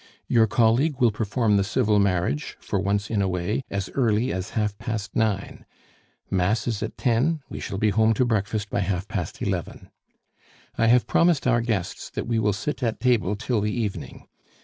"Your colleague will perform the civil marriage, for once in a way, as early as half past nine. Mass is at ten; we shall be at home to breakfast by half past eleven. "I have promised our guests that we will sit at table till the evening.